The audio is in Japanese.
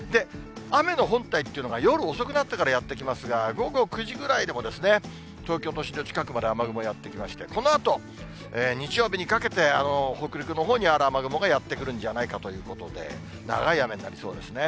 雨の本体っていうのが夜遅くなってからやって来ますが、午後９時ぐらいでも、東京都心の近くまで雨雲やって来まして、このあと、日曜日にかけて、北陸のほうにあるあの雨雲がやってくるんじゃないかということで、長い雨になりそうですね。